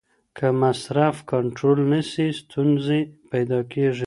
که مصرف کنټرول نسي ستونزي پیدا کیږي.